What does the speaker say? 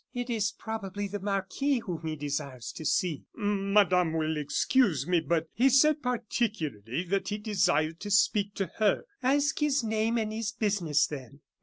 "It is probably the marquis whom he desires to see." "Madame will excuse me, but he said particularly that he desired to speak to her." "Ask his name and his business, then.